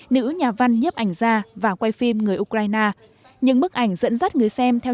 nữ nhà văn nhấp ảnh ra và quay phim người ukraine những bức ảnh dẫn dắt người xem theo